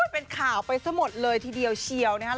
เป็นข่าวไปซะหมดเลยทีเดียวเชียวนะครับ